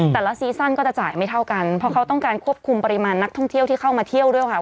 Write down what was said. ซีซั่นก็จะจ่ายไม่เท่ากันเพราะเขาต้องการควบคุมปริมาณนักท่องเที่ยวที่เข้ามาเที่ยวด้วยค่ะ